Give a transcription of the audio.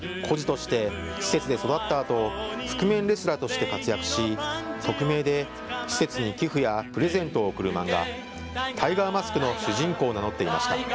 孤児として施設で育ったあと覆面レスラーとして活躍し匿名で施設に寄付やプレゼントを贈る漫画、タイガーマスクの主人公を名乗っていました。